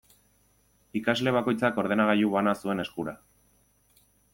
Ikasle bakoitzak ordenagailu bana zuen eskura.